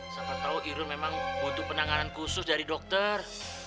siapa tau irun memang butuh penanganan khusus dari dokter